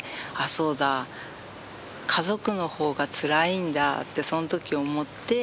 そうだ家族の方がつらいんだってその時思って。